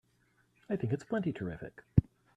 I think it's plenty terrific!